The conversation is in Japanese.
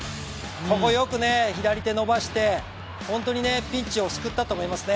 ここよく左手伸ばして本当にピンチを救ったと思いますね。